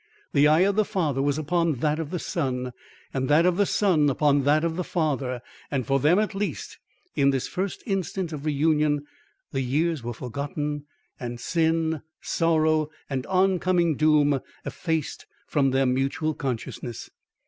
The eye of the father was upon that of the son and that of the son upon that of the father and for them, at least in this first instant of reunion, the years were forgotten and sin, sorrow and on coming doom effaced from their mutual consciousness.